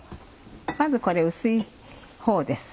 まずこれ薄いほうです